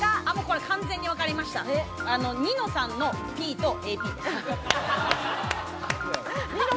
完全に分かりました『ニノさん』のＰとＡＰです。